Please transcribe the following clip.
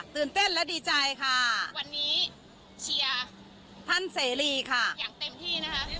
ตื่นเต้นและดีใจค่ะวันนี้เชียร์ท่านเสรีค่ะอย่างเต็มที่นะคะ